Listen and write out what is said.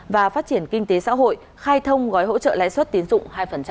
và phát triển kinh tế xã hội khai thông gói hỗ trợ lãi suất tiến dụng hai